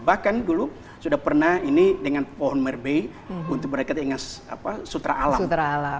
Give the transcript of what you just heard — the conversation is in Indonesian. bahkan dulu sudah pernah ini dengan pohon merbei untuk berdekat dengan sutra alam